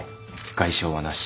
外傷はなし。